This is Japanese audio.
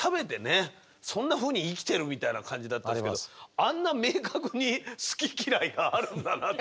そんなふうに生きてるみたいな感じだったんですけどあんな明確に好き嫌いがあるんだなと。